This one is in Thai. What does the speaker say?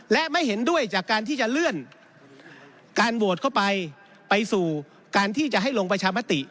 และไม่เห็นด้วยจากการที่จะเลื่อนการโหวตเข้าไปไปสู่การที่จะให้ลงประชามติ